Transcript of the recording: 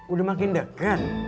udah makin deken